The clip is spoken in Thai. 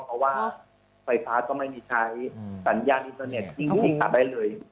เพราะว่าไฟฟ้าก็ไม่มีใช้สัญญาณอินเตอร์เน็ตขาดได้เลย